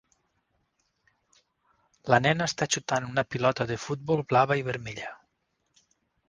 La nena està xutant una pilota de futbol blava i vermella.